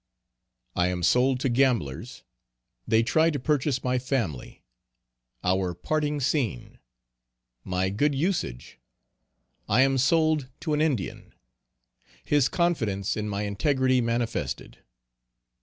_I am sold to gamblers. They try to purchase my family. Our parting scene. My good usage. I am sold to an Indian. His confidence in my integrity manifested.